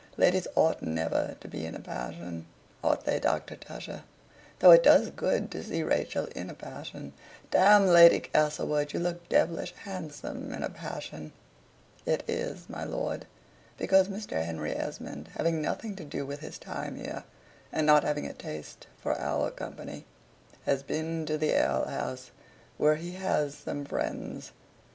Ladies ought never to be in a passion. Ought they, Doctor Tusher? though it does good to see Rachel in a passion Damme, Lady Castlewood, you look dev'lish handsome in a passion." "It is, my lord, because Mr. Henry Esmond, having nothing to do with his time here, and not having a taste for our company, has been to the ale house, where he has SOME FRIENDS."